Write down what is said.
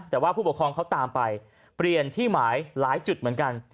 แต่ว่าผู้ปกครองเขาตามไปเปลี่ยนที่หมายหลายจุดเหมือนกัน